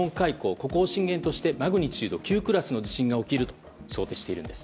ここを震源としてマグニチュード９クラスの地震が起きると想定しているんです。